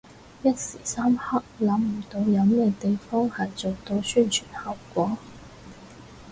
一時三刻諗唔到有咩地方係做到宣傳效果